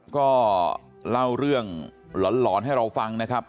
ก็เล่าเรื่องหลอนให้เราฟังนะครับ